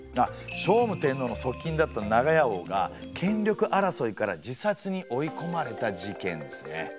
聖武天皇の側近だった長屋王が権力争いから自殺に追い込まれた事件ですね。